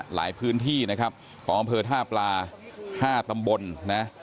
หลายพื้นที่นะครับของอำเภอท่าปลา๕ตำบลนะ